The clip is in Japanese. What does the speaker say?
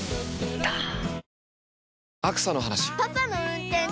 ドーン！